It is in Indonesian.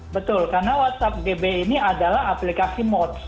betul karena whatsapp gb ini adalah aplikasi mods